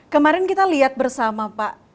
kemarin kita lihat bersama pak